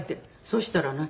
そしたらね